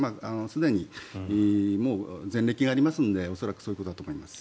すでにもう前歴がありますので恐らくそういうことだと思います。